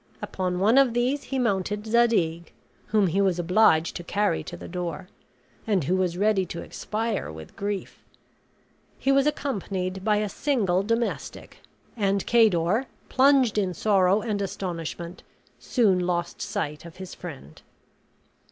Upon one of these he mounted Zadig, whom he was obliged to carry to the door, and who was ready to expire with grief. He was accompanied by a single domestic; and Cador, plunged in sorrow and astonishment, soon lost sight of his friend.